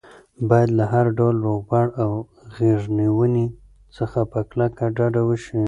باید له هر ډول روغبړ او غېږ نیولو څخه په کلکه ډډه وشي.